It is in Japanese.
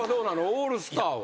オールスターは。